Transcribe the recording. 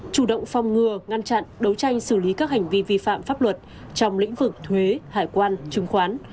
chủ động phòng ngừa ngăn chặn đấu tranh xử lý các hành vi vi phạm pháp luật trong lĩnh vực thuế hải quan chứng khoán